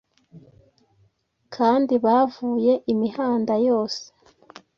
kandi bavuye imihanda yose.